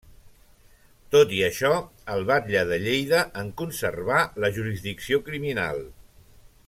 Tot i això, el batlle de Lleida en conservà la jurisdicció criminal.